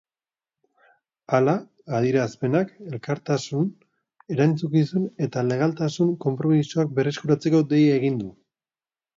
Hala, adierazpenak elkartasun, erantzukizun eta legaltasun konpromisoak berreskuratzeko deia egin du.